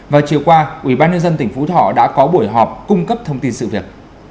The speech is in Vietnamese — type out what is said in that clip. và chiều qua ubnd tỉnh phú thọ đã có buổi họp cung cấp thông tin sự việc